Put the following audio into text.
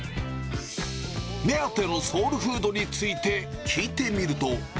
目当てのソウルフードについて聞いてみると。